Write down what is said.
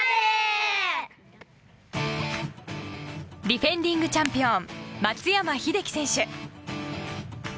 ディフェンディングチャンピオン、松山英樹選手。